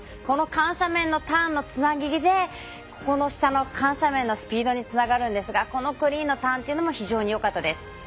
この緩斜面のターンのつなぎでここの下の緩斜面のスピードにつながるんですがこのクリーンなターンというのも非常によかったです。